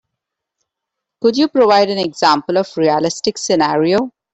Could you provide an example of a realistic scenario?